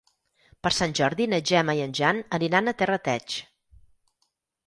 Per Sant Jordi na Gemma i en Jan aniran a Terrateig.